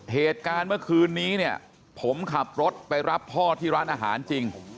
เหตุการณ์เมื่อคืนนี้เนี่ยผมขับรถไปรับพ่อที่ร้านอาหารจริง